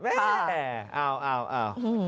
เอ้าเอ้าเอ้า